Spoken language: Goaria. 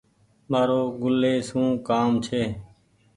مآرو گل لي سون ڪآم ڇي۔